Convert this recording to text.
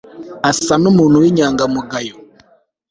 asa n'umuntu w'inyangamugayo